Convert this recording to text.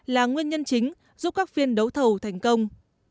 là nguyên nhân chính giúp các phiên đấu thầu thành công